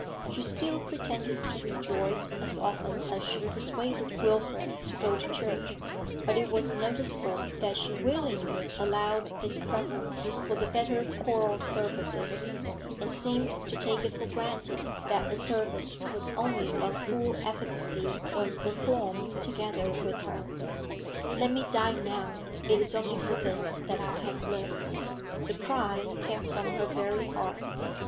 She still pretended to rejoice as often as she persuaded Wilfrid to go to church, but it was noticeable that she willingly allowed his preference for the better choral services, and seemed to take it for granted that the service was only of full efficacy when performed together with her.... 'Let me die now! It is only for this that I have lived!' The cry came from her very heart.